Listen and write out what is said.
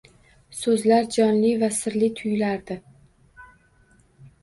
So‘zlar jonli va sirli tuyulardi.